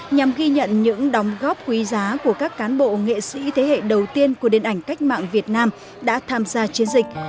nhằm ghi nhận những đóng góp quý giá của các cán bộ nghệ sĩ thế hệ đầu tiên của điện ảnh cách mạng việt nam đã tham gia chiến dịch